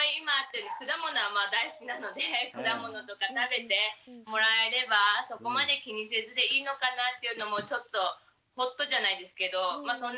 果物は大好きなので果物とか食べてもらえればそこまで気にせずでいいのかなっていうのもちょっとホッとじゃないですけどまあ